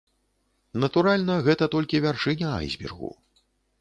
Натуральна, гэта толькі вяршыня айсбергу.